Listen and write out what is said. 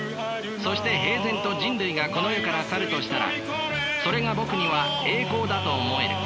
そして平然と人類がこの世から去るとしたらそれがぼくには栄光だと思える。